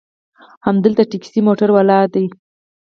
همدلته ټیکسي موټر ولاړ دي.